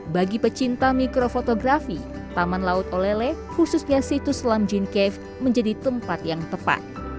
bagi pecinta mikrofotografi taman laut olele khususnya situs selam jinke menjadi tempat yang tepat